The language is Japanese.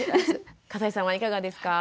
笠井さんはいかがですか？